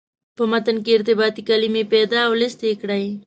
په متن کې ارتباطي کلمې پیدا او لست یې کړئ.